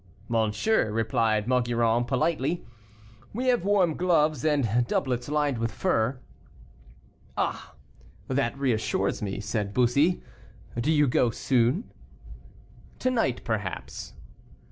"Monsieur," replied Maugiron, politely, "we have warm gloves, and doublets lined with fur." "Ah! that reassures me," said Bussy; "do you go soon?" "To night, perhaps."